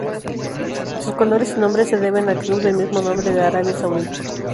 Sus colores y nombre se deben al club del mismo nombre de Arabia Saudita.